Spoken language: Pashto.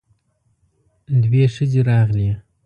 دوې ښځې راغلې.